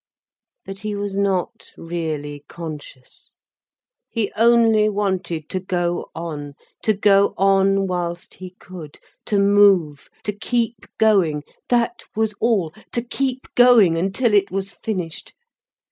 But he was not really conscious. He only wanted to go on, to go on whilst he could, to move, to keep going, that was all, to keep going, until it was finished.